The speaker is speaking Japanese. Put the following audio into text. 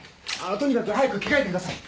とにかく早く着替えてください。